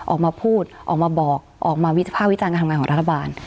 ออกมาพูดออกมาบอกออกมาวิภาควิจารณ์การทำงานของรัฐบาล